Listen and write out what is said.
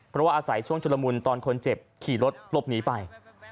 เพราะว่าอาศัยช่วงชุลมุนตอนคนเจ็บขี่รถหลบหนีไป